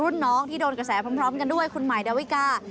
รุ่นน้องที่โดนกระแสพร้อมกันด้วยคุณหมายดาวิกา